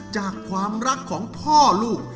จากความรักของพ่อลูก